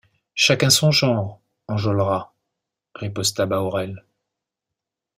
Chacun son genre, Enjolras, riposta Bahorel.